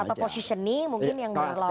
atau positioning mungkin yang lawan